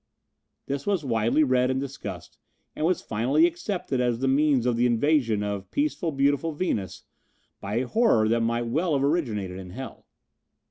This was widely read and discussed and was finally accepted as the means of the invasion of peaceful, beautiful Venus by a horror that might well have originated in hell.